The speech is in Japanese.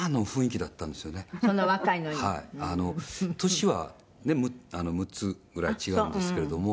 年はね、６つぐらい違うんですけれども